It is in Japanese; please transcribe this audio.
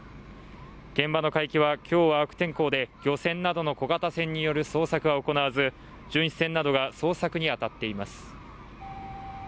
現場の海域は今日は悪天候で漁船などの小型船による捜索は行わず、巡視船などが捜索に当たっています。